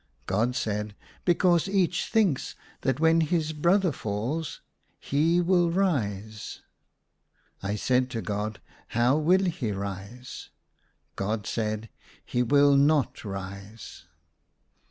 God said, '* Because each thinks that when his brother falls he will rise." I said to God, " How will he rise ?" God said, " He will not rise."